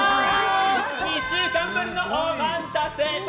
２週間ぶりのお待ったせ。笑